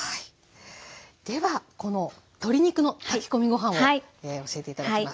ではこの鶏肉の炊き込みご飯を教えて頂きます。